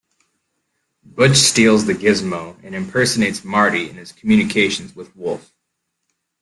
Butch steals the Gizmo and impersonates Marty in his communications with Wolfe.